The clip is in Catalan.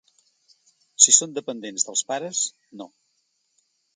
Si són dependents dels pares, no.